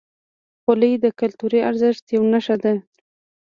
خولۍ د کلتوري ارزښت یوه نښه ده.